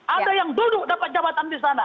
ada yang duduk dapat jabatan di sana